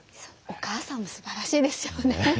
お母さんもすばらしいですよね。